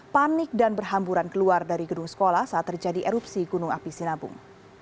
panik dan berhamburan keluar dari gedung sekolah saat terjadi erupsi gunung api sinabung